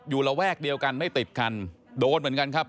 ระแวกเดียวกันไม่ติดกันโดนเหมือนกันครับ